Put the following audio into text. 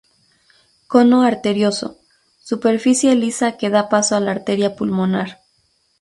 Cono arterioso: Superficie lisa que da paso a la arteria pulmonar.